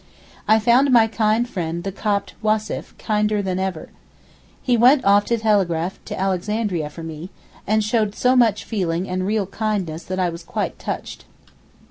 I found my kind friend the Copt Wassef kinder than ever. He went off to telegraph to Alexandria for me, and showed so much feeling and real kindness that I was quite touched.